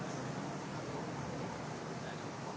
โปรดติดตามต่อไป